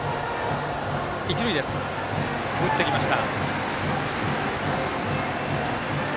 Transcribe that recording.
打ってきました。